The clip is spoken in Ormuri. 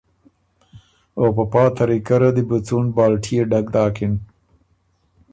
او په پا طریقه ره دی بو څُون بالټيې ډک داکِن۔